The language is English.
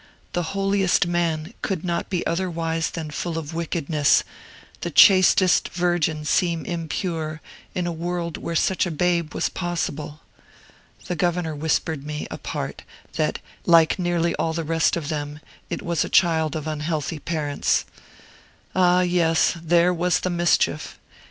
The holiest man could not be otherwise than full of wickedness, the chastest virgin seemed impure, in a world where such a babe was possible. The governor whispered me, apart, that, like nearly all the rest of them, it was the child of unhealthy parents. Ah, yes! There was the mischief.